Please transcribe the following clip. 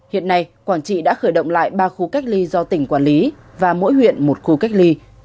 hiện nay quảng trị đã khởi động lại ba khu cách ly do tỉnh quản lý và mỗi huyện một khu cách ly